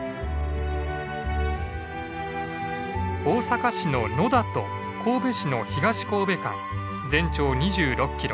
大阪市の野田と神戸市の東神戸間全長２６キロ。